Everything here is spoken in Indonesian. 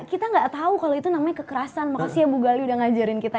kita gak tau kalo itu namanya kekerasan makasih ya bu gali udah ngajarin kita